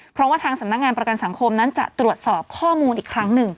เพราะว่าทางสำนักงานประกันสังคมนั้นจะตรวจสอบข้อมูลอีกครั้งหนึ่ง